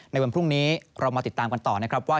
ในวันพรุ่งนี้เรามาติดตามกันต่อนะครับว่า